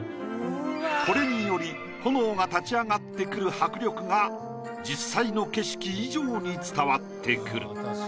これにより炎が立ち上がってくる迫力が実際の景色以上に伝わってくる。